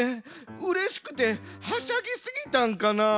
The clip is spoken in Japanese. うれしくてはしゃぎすぎたんかなあ。